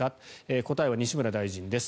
答えは西村大臣です。